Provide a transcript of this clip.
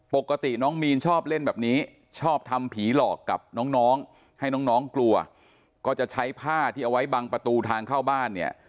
ปกติน้องมีนชอบเล่นแบบนี้ชอบทำผีหลอกกับน้องให้น้องกลัวก็จะใช้ผ้าที่เอาไว้บังประตูทางเข้าบ้านเนี่ย